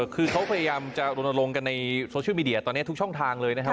คือเขาพยายามจะรณรงค์กันในโซเชียลมีเดียตอนนี้ทุกช่องทางเลยนะครับ